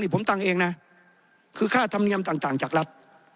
ที่ผมตั้งเองน่ะคือค่าธรรมเนียมต่างต่างจากรัฐ